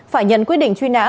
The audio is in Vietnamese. phải nhận quyết định truy nã